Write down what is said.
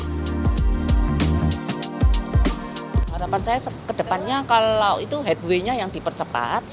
harapan saya ke depannya kalau itu headway nya yang dipercepat